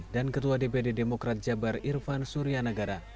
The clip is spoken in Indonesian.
dan ketua dpd demokrat jabar irfan suryanagara